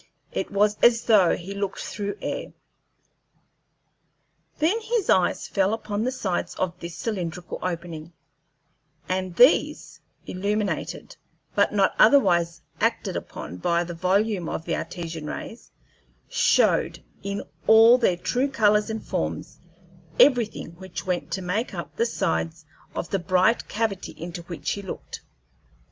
It was as though he looked through air. Then his eyes fell upon the sides of this cylindrical opening, and these, illuminated, but not otherwise acted upon by the volume of Artesian rays, showed, in all their true colors and forms, everything which went to make up the sides of the bright cavity into which he looked.